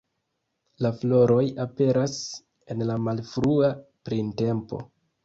La floroj aperas en la malfrua printempo.